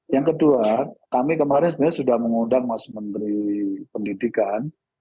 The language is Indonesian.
yang kedua kami kemarin sebenarnya sudah mengundang mas menteri pendidikan